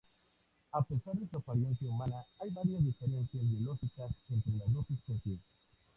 A pesar de su apariencia humana, hay varias diferencias biológicas entre las dos especies.